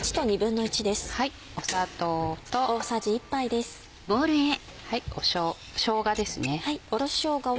砂糖としょうがですね。